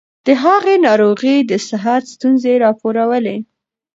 د هغې ناروغي د صحت ستونزې راوپارولې.